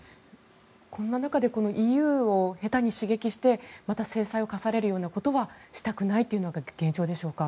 こんな中でＥＵを下手に刺激してまた制裁を科されるようなことはしたくないというのが現状でしょうか？